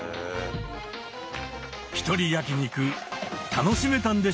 ひとり焼き肉楽しめたんでしょうか？